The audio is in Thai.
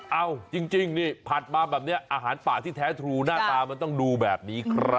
เอาจริงนี่ผัดมาแบบนี้อาหารป่าที่แท้ทรูหน้าตามันต้องดูแบบนี้ครับ